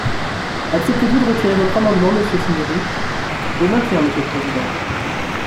Acceptez-vous de retirer votre amendement, monsieur Cinieri ? Je le maintiens, monsieur le président.